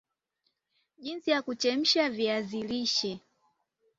jinsi ya kuchemsha viazi lishe